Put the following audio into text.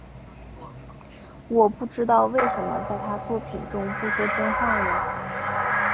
我不知道为什么在他作品中不说真话呢？